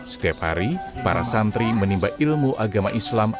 setiap hari para santri menimba ilmu agama islam